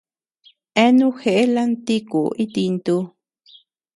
Eanu jeʼe lantikuu itintu.